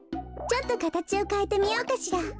ちょっとかたちをかえてみようかしら。